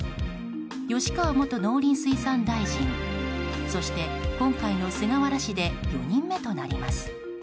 吉川元農林水産大臣そして今回の菅原氏で４人目となります。